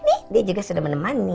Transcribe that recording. nih dia juga sudah menemani